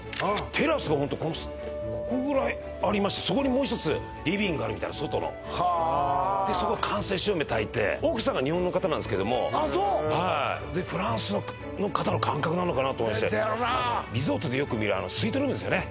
テラスがホントここぐらいありましてそこにもう一つリビングがあるみたいな外のはあでそこに間接照明たいて奥さんが日本の方なんですけどもあそうはいでフランスの方の感覚なのかなと思ってせやろなリゾートでよく見るスイートルームですよね